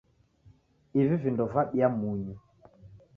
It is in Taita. Ivi vindo vabiya munyu.